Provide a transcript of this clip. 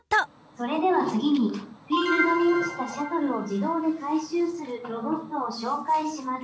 「それでは次にフィールドに落ちたシャトルを自動で回収するロボットを紹介します。